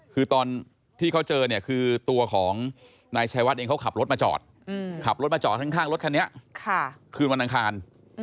คือตอนที่เขาเจอเนี่ยคือตัวของนายชายวัดเองเขาขับรถมาจอดขับรถมาจอดข้างรถคันนี้คืนวันอังคาร